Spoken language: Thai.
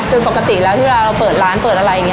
คือปกติแล้วที่เวลาเราเปิดร้านเปิดอะไรอย่างนี้